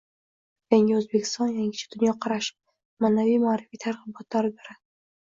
“Yangi O‘zbekiston – yangicha dunyoqarash” ma’naviy-ma’rifiy targ‘ibot tadbiri